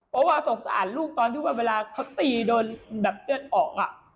เพราะว่าสงสารลูกตอนที่เวลาเขาตีดนระดับเดือนออก